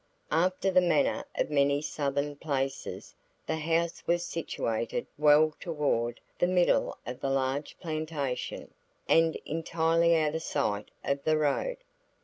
After the manner of many Southern places the house was situated well toward the middle of the large plantation, and entirely out of sight from the road.